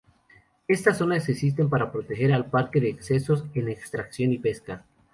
Estas zonas existen para proteger al parque de excesos en extracción y pesca.